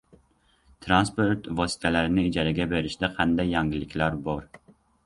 Transport vositalarini ijaraga berishda qanday yangiliklar bor?